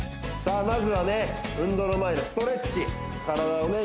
あまずはね運動の前のストレッチ体をね